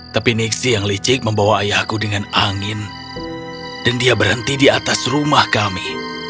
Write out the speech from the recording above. tapi nixi yang licik membawa ayahku dengan angin dan dia berhenti di atas rumah kami